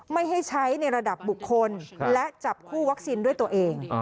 ไม่ให้ใช้ในระดับบุคคลและจับคู่วัคซีนด้วยตัวเอง